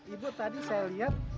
ibu tadi saya lihat